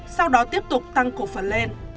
sau đó tiếp tục tăng cổ phần lên